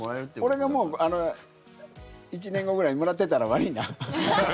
俺がもう１年後ぐらいにもらってたら悪いな。